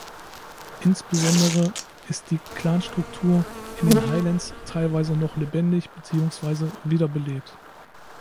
Insbesondere ist die Clan-Struktur in den Highlands teilweise noch lebendig beziehungsweise wiederbelebt.